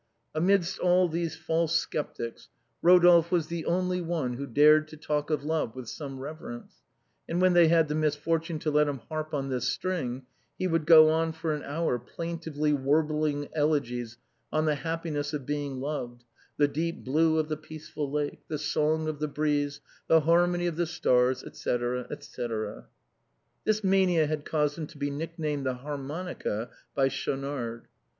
Amidst all these false skeptics Rodolphe was the only one who dared to talk of love with some rever ence, and when they had the misfortune to let him harp on this string, he would go on for an hour plaintively warbling elegies on the happiness of being loved, the deep blue of the peaceful lake, the song of the breeze, the harmony of the stars, etc., etc. This mania had caused him to be nick named the harmonica by Schaunard.